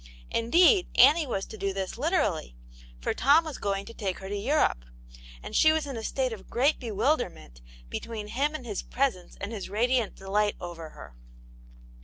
Indeed, Annie was to do this literally ; for Tom was going to take her to Europe, and she was in a state of great bewilderment between him and his presents and his radiant delight over her.